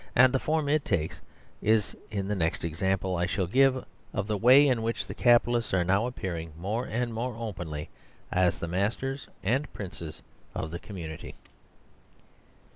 And the form it takes is the next example I shall give of the way in which the capitalists are now appearing, more and more openly, as the masters and princes of the community.